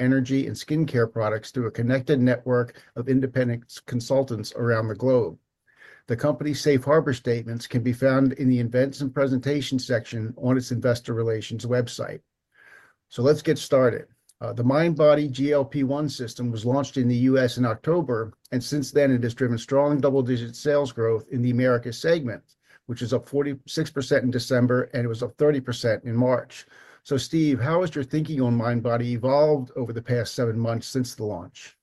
Energy and skincare products through a connected network of independent consultants around the globe. The company's Safe Harbor statements can be found in the Events and Presentations section on its Investor relations website. Let's get started. The MindBody GLP-1 System was launched in the U.S. in October, and since then it has driven strong double-digit sales growth in the America segment, which was up 46% in December and was up 30% in March. Steve, how has your thinking on MindBody evolved over the past seven months since the launch?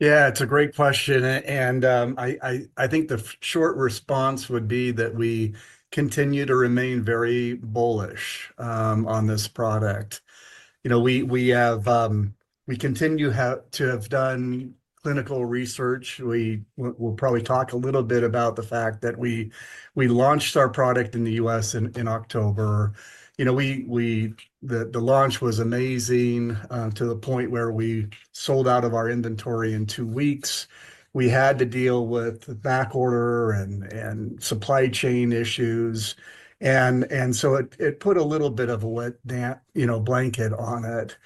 Yeah, it's a great question. I think the short response would be that we continue to remain very bullish on this product. You know, we continue to have done clinical research. We will probably talk a little bit about the fact that we launched our product in the U.S. in October. You know, the launch was amazing to the point where we sold out of our inventory in two weeks. We had to deal with backorder and supply chain issues. It put a little bit of a wet blanket on it.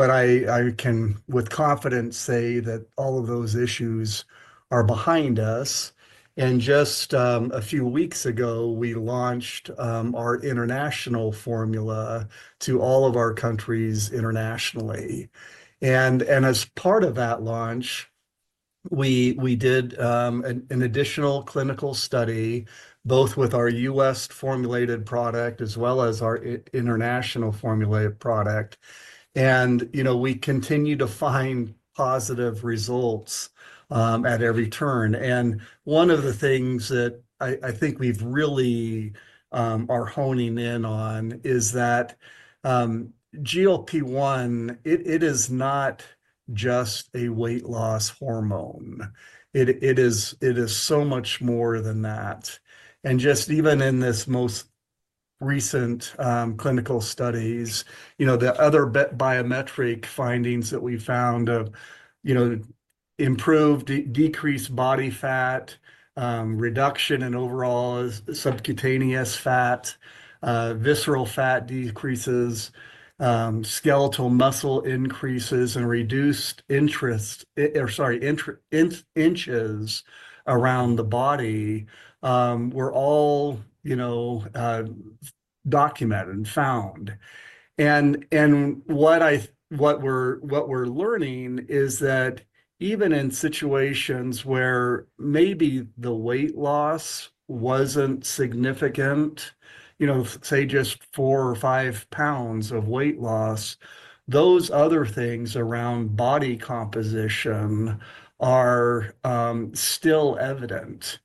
I can, with confidence, say that all of those issues are behind us. Just a few weeks ago, we launched our international formula to all of our countries internationally. As part of that launch, we did an additional clinical study, both with our U.S. formulated product as well as our international formulated product. We continue to find positive results at every turn. One of the things that I think we really are honing in on is that GLP-1, it is not just a weight loss hormone. It is so much more than that. Just even in this most recent clinical studies, you know, the other biometric findings that we found of improved, decreased body fat, reduction in overall subcutaneous fat, visceral fat decreases, skeletal muscle increases, and reduced inches around the body were all documented and found. What we're learning is that even in situations where maybe the weight loss wasn't significant, you know, say just four or five pounds of weight loss, those other things around body composition are still evident.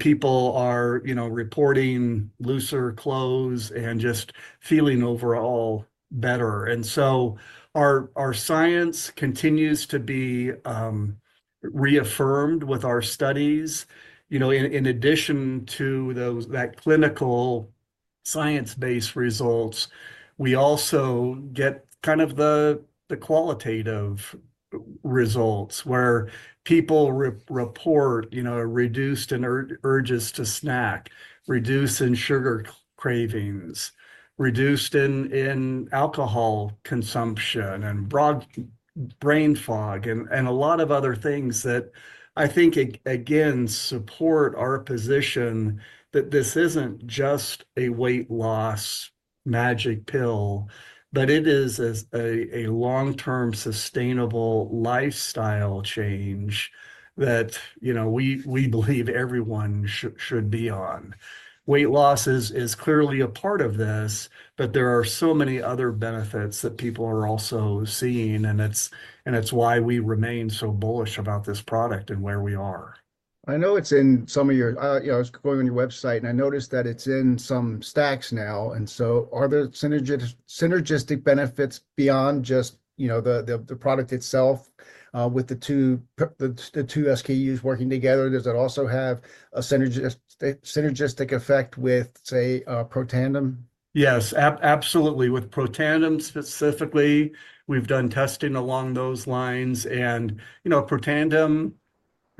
People are reporting looser clothes and just feeling overall better. Our science continues to be reaffirmed with our studies. You know, in addition to that clinical science-based results, we also get kind of the qualitative results where people report reduced in urges to snack, reduced in sugar cravings, reduced in alcohol consumption, and broad brain fog, and a lot of other things that I think, again, support our position that this isn't just a weight loss magic pill, but it is a long-term sustainable lifestyle change that we believe everyone should be on. Weight loss is clearly a part of this, but there are so many other benefits that people are also seeing, and it's why we remain so bullish about this product and where we are. I know it's in some of your, you know, I was going on your website, and I noticed that it's in some stacks now. Are there synergistic benefits beyond just the product itself with the two SKUs working together? Does it also have a synergistic effect with, say, Protandim? Yes, absolutely. With Protandim specifically, we've done testing along those lines. And Protandim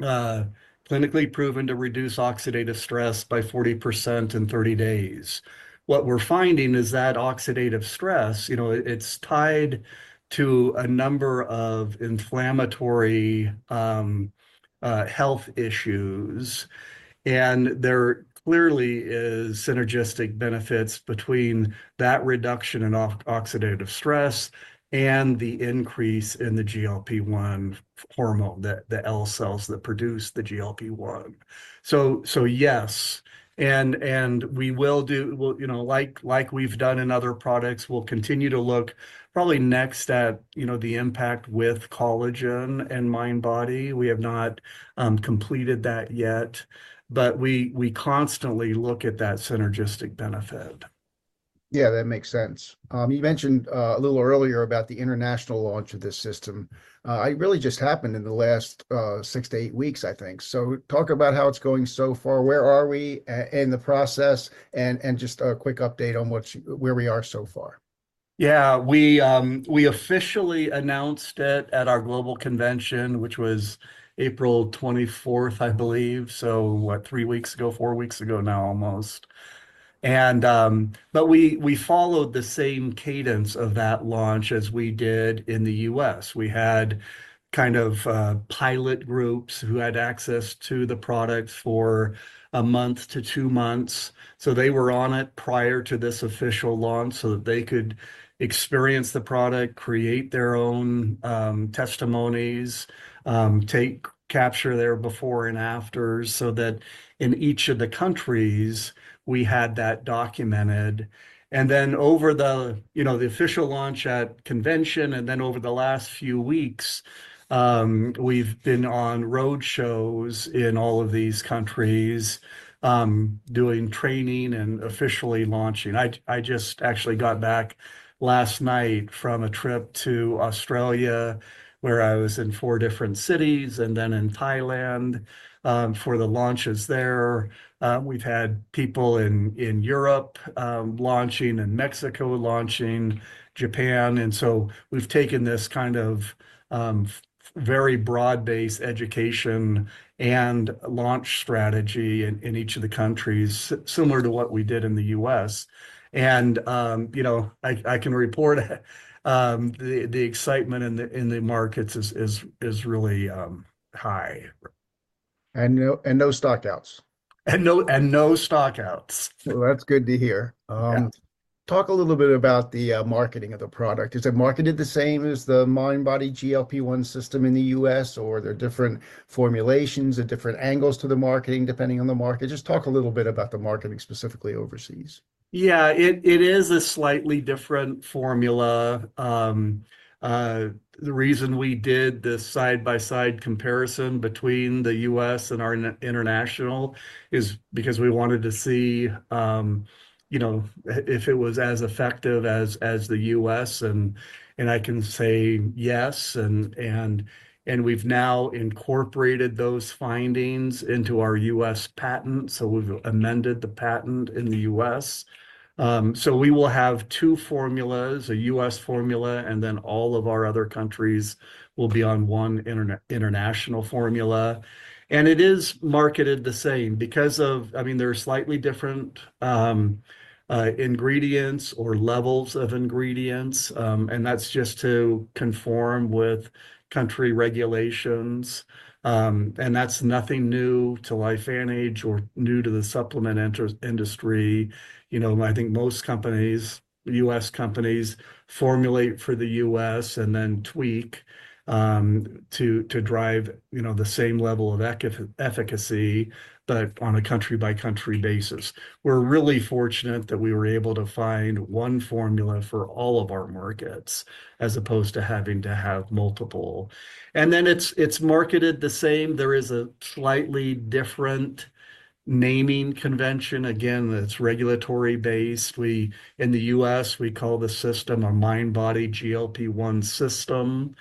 clinically proven to reduce oxidative stress by 40% in 30 days. What we're finding is that oxidative stress, you know, it's tied to a number of inflammatory health issues. And there clearly is synergistic benefits between that reduction in oxidative stress and the increase in the GLP-1 hormone, the L cells that produce the GLP-1. Yes, and we will do, like we've done in other products, we'll continue to look probably next at the impact with collagen and MindBody. We have not completed that yet, but we constantly look at that synergistic benefit. Yeah, that makes sense. You mentioned a little earlier about the international launch of this system. It really just happened in the last six to eight weeks, I think. Talk about how it's going so far. Where are we in the process? Just a quick update on where we are so far. Yeah, we officially announced it at our global convention, which was April 24th, I believe. What, three weeks ago, four weeks ago now almost. We followed the same cadence of that launch as we did in the U.S. We had kind of pilot groups who had access to the product for a month to two months. They were on it prior to this official launch so that they could experience the product, create their own testimonies, capture their before and afters, so that in each of the countries, we had that documented. Over the official launch at convention, and over the last few weeks, we've been on roadshows in all of these countries doing training and officially launching. I just actually got back last night from a trip to Australia, where I was in four different cities and then in Thailand for the launches there. We've had people in Europe launching, in Mexico launching, Japan. We have taken this kind of very broad-based education and launch strategy in each of the countries, similar to what we did in the U.S. I can report the excitement in the markets is really high. No stockouts. No stockouts. That's good to hear. Talk a little bit about the marketing of the product. Is it marketed the same as the MindBody GLP-1 System in the U.S., or are there different formulations and different angles to the marketing depending on the market? Just talk a little bit about the marketing specifically overseas. Yeah, it is a slightly different formula. The reason we did the side-by-side comparison between the U.S. and our international is because we wanted to see if it was as effective as the U.S. I can say yes. We have now incorporated those findings into our U.S. patent. We have amended the patent in the U.S. We will have two formulas, a U.S. formula, and then all of our other countries will be on one international formula. It is marketed the same because of, I mean, there are slightly different ingredients or levels of ingredients. That is just to conform with country regulations. That is nothing new to LifeVantage or new to the supplement industry. You know, I think most companies, U.S. companies, formulate for the U.S. and then tweak to drive the same level of efficacy, but on a country-by-country basis. We're really fortunate that we were able to find one formula for all of our markets as opposed to having to have multiple. It is marketed the same. There is a slightly different naming convention. Again, it's regulatory based. In the U.S., we call the system a MindBody GLP-1 system.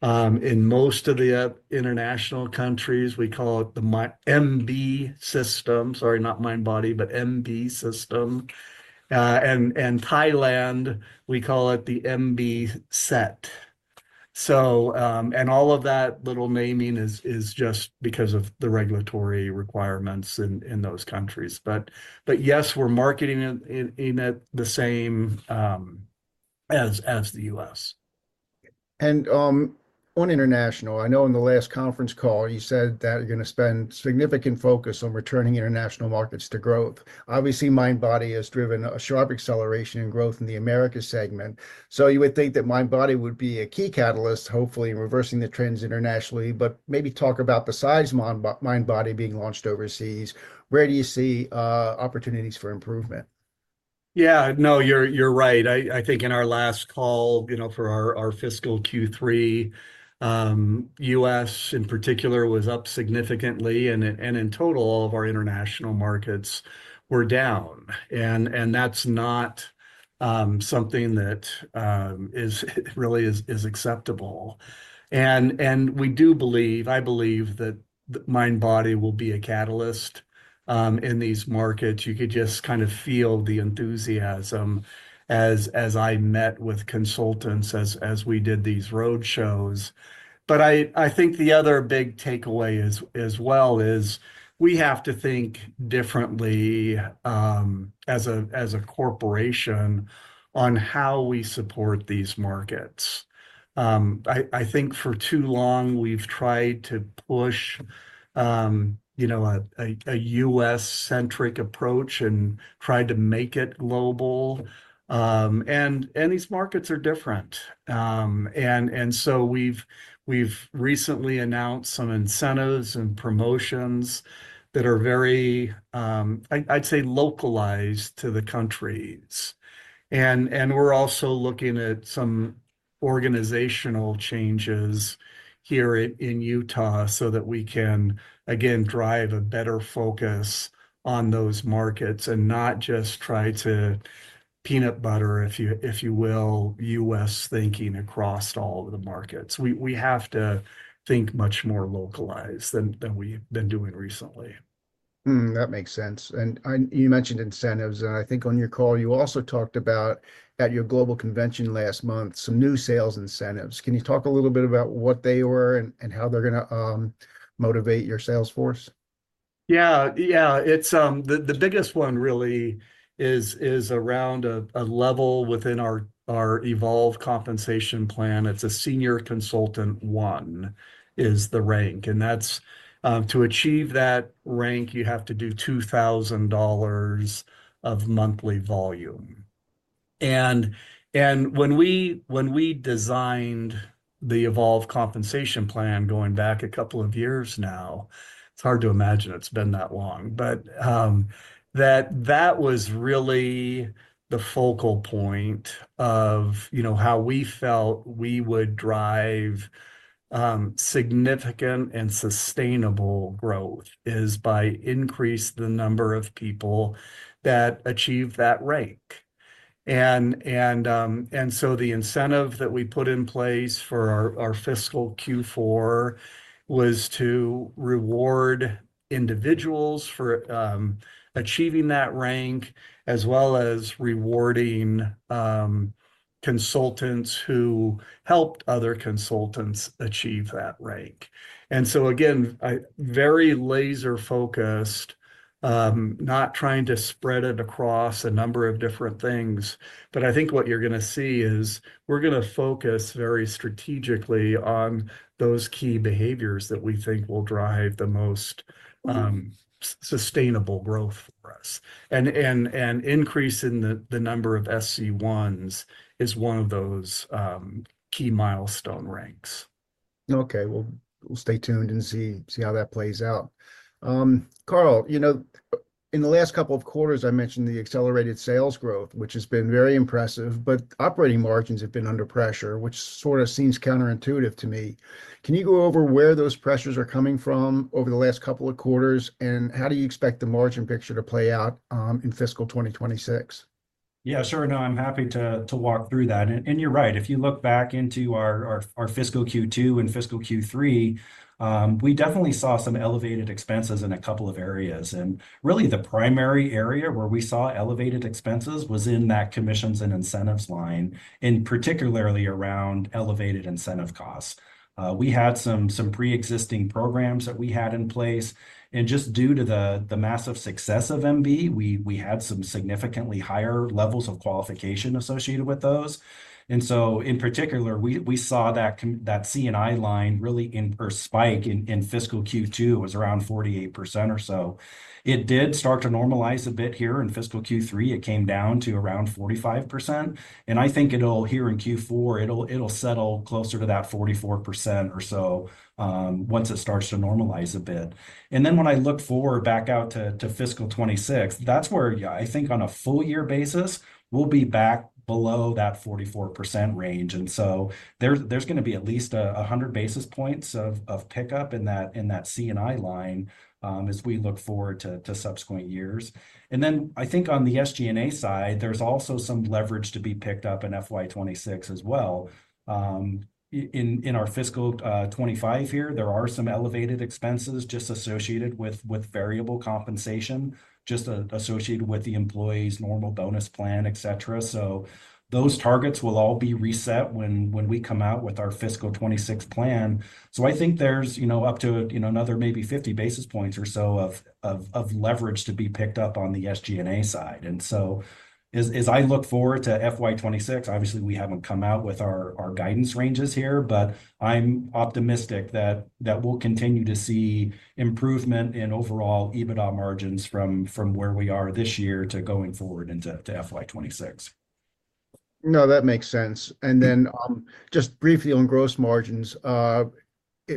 In most of the international countries, we call it the MB system. Sorry, not MindBody, but MB system. In Thailand, we call it the MB set. All of that little naming is just because of the regulatory requirements in those countries. Yes, we're marketing it the same as the U.S. On international, I know in the last conference call, you said that you're going to spend significant focus on returning international markets to growth. Obviously, MindBody has driven a sharp acceleration in growth in the America segment. You would think that MindBody would be a key catalyst, hopefully reversing the trends internationally. Maybe talk about besides MindBody being launched overseas, where do you see opportunities for improvement? Yeah, no, you're right. I think in our last call for our fiscal Q3, U.S. in particular was up significantly. In total, all of our international markets were down. That's not something that really is acceptable. We do believe, I believe that MindBody will be a catalyst in these markets. You could just kind of feel the enthusiasm as I met with consultants as we did these roadshows. I think the other big takeaway as well is we have to think differently as a corporation on how we support these markets. I think for too long, we've tried to push a U.S.-centric approach and tried to make it global. These markets are different. We have recently announced some incentives and promotions that are very, I'd say, localized to the countries. We're also looking at some organizational changes here in Utah so that we can, again, drive a better focus on those markets and not just try to peanut butter, if you will, U.S. thinking across all of the markets. We have to think much more localized than we've been doing recently. That makes sense. You mentioned incentives. I think on your call, you also talked about at your global convention last month, some new sales incentives. Can you talk a little bit about what they were and how they're going to motivate your salesforce? Yeah, yeah. The biggest one really is around a level within our Evolve Compensation Plan. It's a Senior Consultant 1 is the rank. To achieve that rank, you have to do $2,000 of monthly volume. When we designed the Evolve Compensation Plan going back a couple of years now, it's hard to imagine it's been that long, but that was really the focal point of how we felt we would drive significant and sustainable growth is by increasing the number of people that achieve that rank. The incentive that we put in place for our fiscal Q4 was to reward individuals for achieving that rank, as well as rewarding consultants who helped other consultants achieve that rank. Again, very laser-focused, not trying to spread it across a number of different things. I think what you're going to see is we're going to focus very strategically on those key behaviors that we think will drive the most sustainable growth for us. Increasing the number of SC1s is one of those key milestone ranks. Okay, we'll stay tuned and see how that plays out. Carl, you know, in the last couple of quarters, I mentioned the accelerated sales growth, which has been very impressive, but operating margins have been under pressure, which sort of seems counterintuitive to me. Can you go over where those pressures are coming from over the last couple of quarters, and how do you expect the margin picture to play out in fiscal 2026? Yeah, sure. No, I'm happy to walk through that. You're right. If you look back into our fiscal Q2 and fiscal Q3, we definitely saw some elevated expenses in a couple of areas. Really, the primary area where we saw elevated expenses was in that commissions and incentives line, and particularly around elevated incentive costs. We had some pre-existing programs that we had in place. Just due to the massive success of MB, we had some significantly higher levels of qualification associated with those. In particular, we saw that CNI line really spike in fiscal Q2. It was around 48% or so. It did start to normalize a bit here in fiscal Q3. It came down to around 45%. I think here in Q4, it'll settle closer to that 44% or so once it starts to normalize a bit. When I look forward back out to fiscal 2026, that's where I think on a full year basis, we'll be back below that 44% range. There's going to be at least 100 basis points of pickup in that CNI line as we look forward to subsequent years. I think on the SG&A side, there's also some leverage to be picked up in fiscal 2026 as well. In our fiscal 2025 here, there are some elevated expenses just associated with variable compensation, just associated with the employee's normal bonus plan, etc. Those targets will all be reset when we come out with our fiscal 2026 plan. I think there's up to another maybe 50 basis points or so of leverage to be picked up on the SG&A side. As I look forward to FY26, obviously, we haven't come out with our guidance ranges here, but I'm optimistic that we'll continue to see improvement in overall EBITDA margins from where we are this year to going forward into FY26. No, that makes sense. And then just briefly on gross margins, am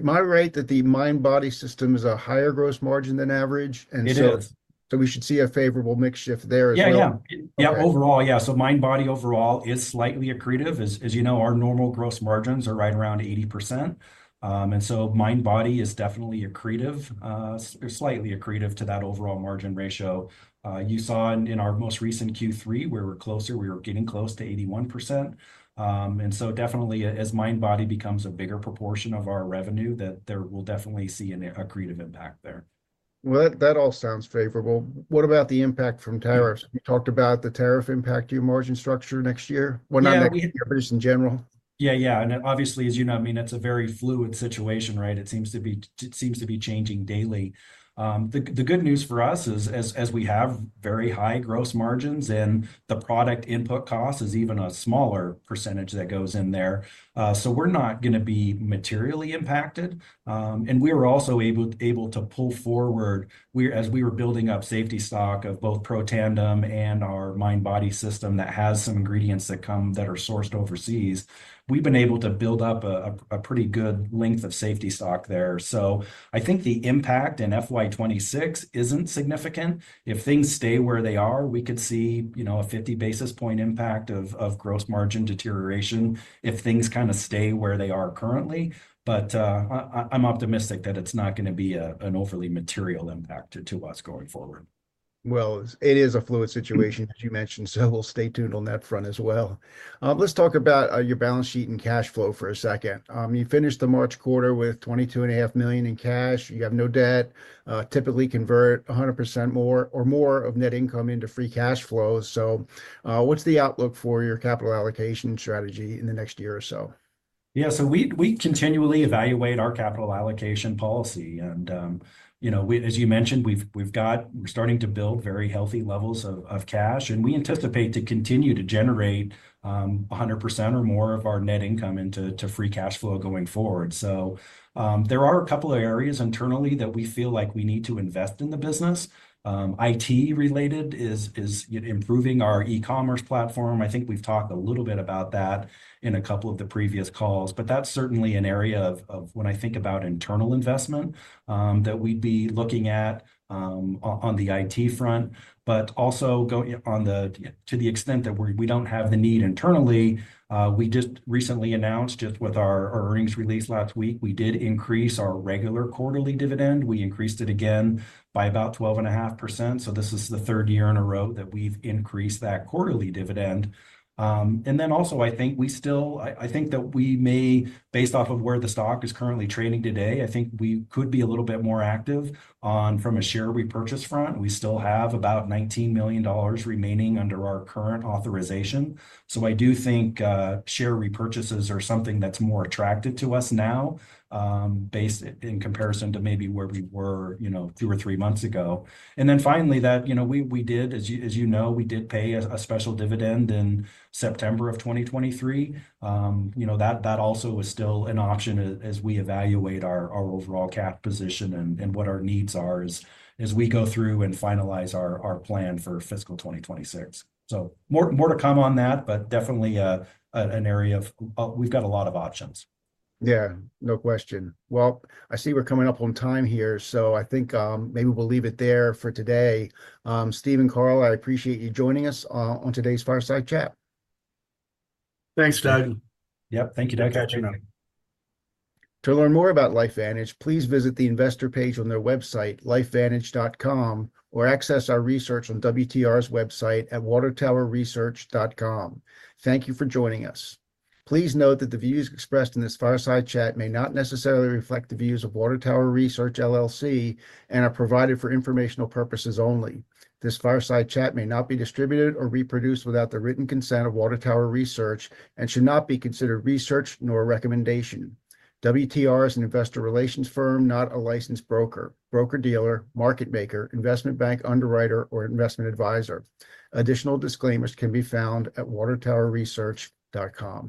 I right that the MindBody system is a higher gross margin than average? It is. We should see a favorable mix shift there as well. Yeah, yeah. Overall, yeah. MindBody overall is slightly accretive. As you know, our normal gross margins are right around 80%. MindBody is definitely accretive, slightly accretive to that overall margin ratio. You saw in our most recent Q3, we were closer. We were getting close to 81%. Definitely, as MindBody becomes a bigger proportion of our revenue, there will definitely see an accretive impact there. That all sounds favorable. What about the impact from tariffs? We talked about the tariff impact to your margin structure next year. What about the margins in general? Yeah, yeah. Obviously, as you know, I mean, it's a very fluid situation, right? It seems to be changing daily. The good news for us is as we have very high gross margins, and the product input cost is even a smaller percentage that goes in there. We're not going to be materially impacted. We were also able to pull forward, as we were building up safety stock of both Protandim and our MindBody GLP-1 System that has some ingredients that are sourced overseas. We've been able to build up a pretty good length of safety stock there. I think the impact in FY 2026 isn't significant. If things stay where they are, we could see a 50 basis point impact of gross margin deterioration if things kind of stay where they are currently. I'm optimistic that it's not going to be an overly material impact to us going forward. It is a fluid situation, as you mentioned. We'll stay tuned on that front as well. Let's talk about your balance sheet and cash flow for a second. You finished the March quarter with $22.5 million in cash. You have no debt, typically convert 100% or more of net income into free cash flow. What's the outlook for your capital allocation strategy in the next year or so? Yeah, so we continually evaluate our capital allocation policy. As you mentioned, we're starting to build very healthy levels of cash. We anticipate to continue to generate 100% or more of our net income into free cash flow going forward. There are a couple of areas internally that we feel like we need to invest in the business. IT-related is improving our e-commerce platform. I think we've talked a little bit about that in a couple of the previous calls. That's certainly an area of when I think about internal investment that we'd be looking at on the IT front. Also, to the extent that we do not have the need internally, we just recently announced just with our earnings release last week, we did increase our regular quarterly dividend. We increased it again by about 12.5%. This is the third year in a row that we've increased that quarterly dividend. Also, I think we still, I think that we may, based off of where the stock is currently trading today, I think we could be a little bit more active from a share repurchase front. We still have about $19 million remaining under our current authorization. I do think share repurchases are something that's more attractive to us now based in comparison to maybe where we were two or three months ago. Finally, we did, as you know, we did pay a special dividend in September of 2023. That also is still an option as we evaluate our overall cap position and what our needs are as we go through and finalize our plan for fiscal 2026. More to come on that, but definitely an area of we've got a lot of options. Yeah, no question. I see we're coming up on time here. I think maybe we'll leave it there for today. Steve and Carl, I appreciate you joining us on today's Fireside Chat. Thanks, Doug. Yep, thank you, Doug. Catching up. To learn more about LifeVantage, please visit the investor page on their website, lifevantage.com, or access our research on WTR's website at watertowerresearch.com. Thank you for joining us. Please note that the views expressed in this Fireside Chat may not necessarily reflect the views of Watertower Research and are provided for informational purposes only. This Fireside Chat may not be distributed or reproduced without the written consent of Watertower Research and should not be considered research nor a recommendation. WTR is an investor relations firm, not a licensed broker, broker dealer, market maker, investment bank underwriter, or investment advisor. Additional disclaimers can be found at watertowerresearch.com.